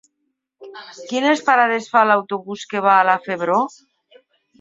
Quines parades fa l'autobús que va a la Febró?